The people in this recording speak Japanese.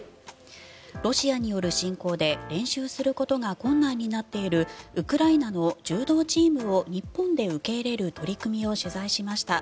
ロシアによる侵攻で練習することが困難になっているウクライナの柔道チームを日本で受け入れる取り組みを取材しました。